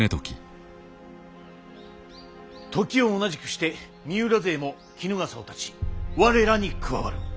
時を同じくして三浦勢も衣笠をたち我らに加わる。